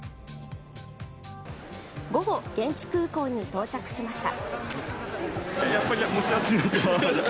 午後、現地空港に到着しました。